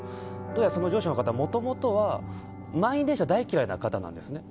その上司の方もともとは満員電車が大嫌いな方なんですね。